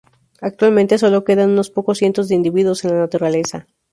Actualmente solo quedan unos pocos cientos de individuos en la naturaleza.